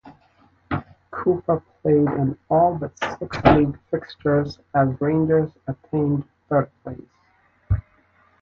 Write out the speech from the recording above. Cooper played in all but six league fixtures as Rangers attained third place.